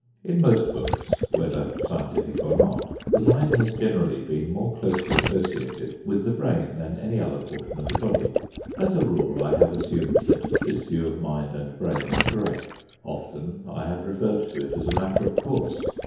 In most books, whether scientific or not, the mind has generally been more closely associated with the brain than any other portion of the body. As a rule I have assumed that this view of mind and brain is correct. Often I have referred to it as a matter of course.